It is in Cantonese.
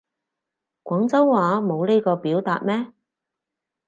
廣州話冇呢個表達咩